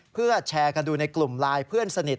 เพื่อแชร์กันดูในกลุ่มไลน์เพื่อนสนิท